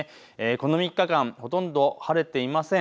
この３日間ほとんど晴れていません。